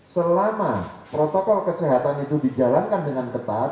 selama protokol kesehatan itu dijalankan dengan ketat